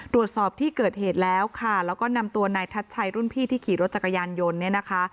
ตรวจสอบที่เกิดเหตุแล้วค่ะแล้วก็นำตัวนายทัชชัยรุ่นพี่ที่ขี่รถจักรยานยนต์เนี่ยนะคะ